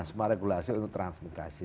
semua regulasi untuk transmigrasi